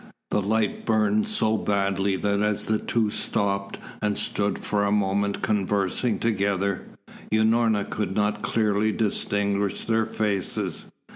The light burned so badly that as the two stopped and stood for a moment conversing together, Unorna could not clearly distinguish their faces.